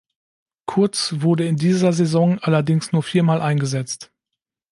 Kurz wurde in dieser Saison allerdings nur vier Mal eingesetzt.